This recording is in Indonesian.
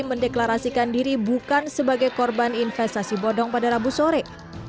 mendeklarasikan diri bukan sebagai korban investasi bodong pada rabu sore